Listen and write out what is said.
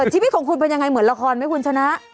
ชีวิตของคุณเป็นยังไงเหมือนละครไหมคุณชนะ